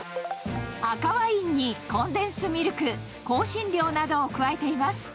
赤ワインにコンデンスミルク、香辛料などを加えています。